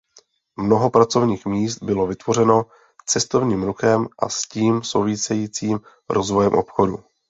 Mnoho pracovních míst bylo vytvořeno cestovním ruchem a s tím souvisejícím rozvojem obchodu.